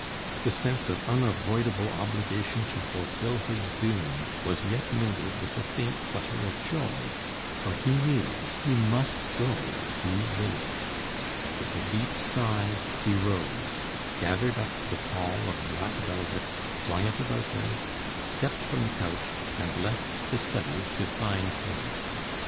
The sense of unavoidable obligation to fulfil his doom, was yet mingled with a faint flutter of joy, for he knew that he must go to Lilith. With a deep sigh, he rose, gathered up the pall of black velvet, flung it around him, stepped from the couch, and left the study to find her.